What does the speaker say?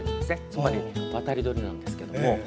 つまり渡り鳥なんですけど。